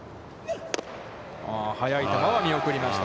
速い球は見送りました。